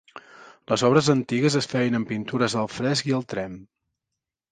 Les obres antigues es feien amb pintures al fresc i al tremp.